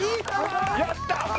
やった！